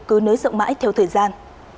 cứ nới rộng mãi theo thời gian